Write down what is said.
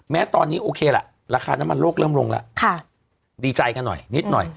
แม้ตอนนี้โอเคล่ะราคาน้ำมันโลกเริ่มลงแล้วดีใจกันหน่อยนิดหน่อย